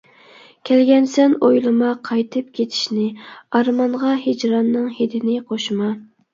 كەلگەنسەن ئويلىما، قايتىپ كېتىشنى، ئارمانغا ھىجراننىڭ ھىدىنى قوشما.